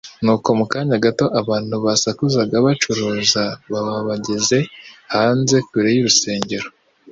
Nuko mu kanya gato, abantu basakuzaga bacuruza baba bageze hanze kure y'urusengero.